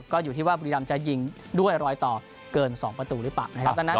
ก็อยู่ที่ว่าบริรัมน์จะยิงด้วยรอยต่อเกิน๒ประตูหรือเปล่า